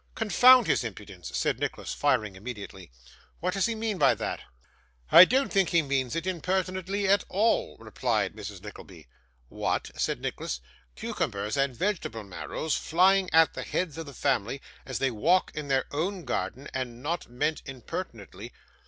'Confound his impudence!' said Nicholas, firing immediately. 'What does he mean by that?' 'I don't think he means it impertinently at all,' replied Mrs. Nickleby. 'What!' said Nicholas, 'cucumbers and vegetable marrows flying at the heads of the family as they walk in their own garden, and not meant impertinently!